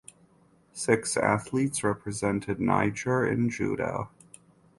Six athletes represented Niger in judo.